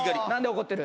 怒ってる？